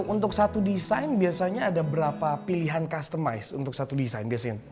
untuk satu desain biasanya ada berapa pilihan customize untuk satu desain biasanya